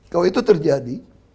kalau itu terjadi